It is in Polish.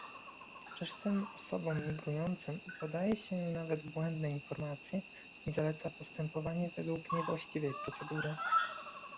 Czasem osobom migrującym podaje się nawet błędne informacje i zaleca postępowanie według niewłaściwej procedury